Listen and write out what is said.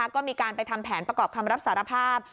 ก็มีการไปทำแผนประกอบคำรับสารภาพ